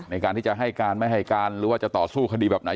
ซึ่งแต่ละคนตอนนี้ก็ยังให้การแตกต่างกันอยู่เลยว่าวันนั้นมันเกิดอะไรขึ้นบ้างนะครับ